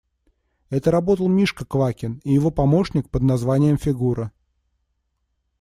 Это работал Мишка Квакин и его помощник, под названием «Фигура».